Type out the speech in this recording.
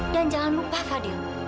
dan jangan lupa fadil